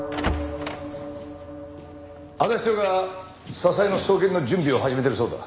足立署が笹井の送検の準備を始めてるそうだ。